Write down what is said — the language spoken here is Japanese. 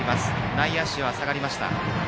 内野手は下がりました。